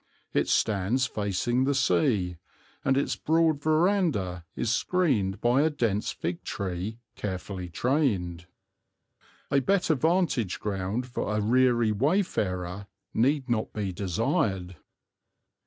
It stands facing the sea, and its broad veranda is screened by a dense fig tree carefully trained. A better vantage ground for a weary wayfarer need not be desired.